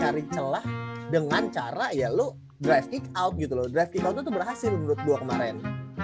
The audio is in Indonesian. cari celah dengan cara ya lu drive kick out gitu loh drive kick out itu berhasil menurut gue kemarin